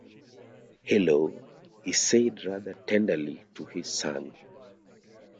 “Hello!” he said rather tenderly to his son.